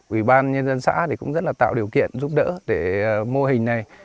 ủy ban nhân dân xã cũng rất là tạo điều kiện giúp đỡ để mô hình này